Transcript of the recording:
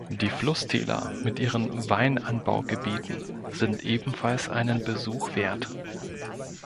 Die Flusstäler mit ihren Weinanbaugebieten sind ebenfalls einen Besuch wert.